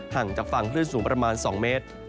ห่างจากฝั่งคลื่นสูงประมาณ๒เมตร